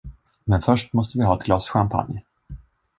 Men först måste vi ha ett glas champagne!